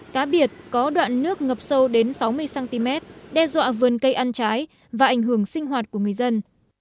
cá biệt có đoạn nước ngập sâu đến sáu mươi cm đe dọa vườn cây ăn trái và ảnh hưởng sinh hoạt của người dân